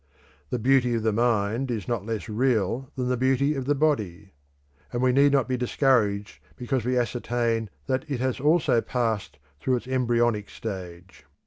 The beauty of the mind is not less real than the beauty of the body, and we need not be discouraged because we ascertain that it has also passed through its embryonic stage.